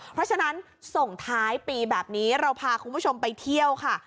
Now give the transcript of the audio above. เพราะฉะนั้นส่งท้ายปีแบบนี้เราพาคุณผู้ชมไปเที่ยวค่ะ